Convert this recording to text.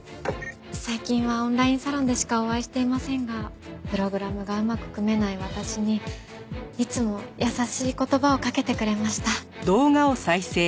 最近はオンラインサロンでしかお会いしていませんがプログラムがうまく組めない私にいつも優しい言葉をかけてくれました。